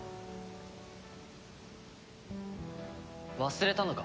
忘れたのか？